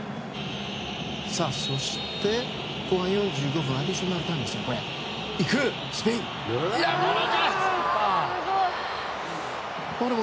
そして、後半４５分アディショナルタイム。